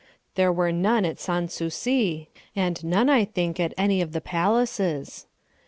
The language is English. There were none at Sans Souci and none, I think, at any of the palaces.